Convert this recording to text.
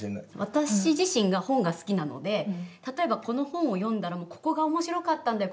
私自身が本が好きなので例えば、この本を読んだらもう、ここが面白かったんだよ